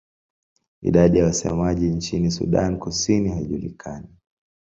Idadi ya wasemaji nchini Sudan Kusini haijulikani.